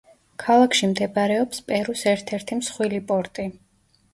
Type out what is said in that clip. ქალაქში მდებარეობს პერუს ერთ–ერთი მსხვილი პორტი.